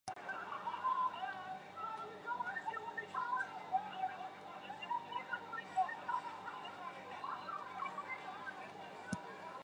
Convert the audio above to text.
毛盔西藏糙苏为唇形科糙苏属下的一个变种。